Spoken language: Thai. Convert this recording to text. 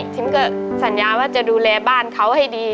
ชิมก็สัญญาว่าจะดูแลบ้านเขาให้ดี